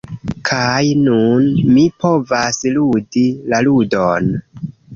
Kaj nun, mi povas ludi la ludon!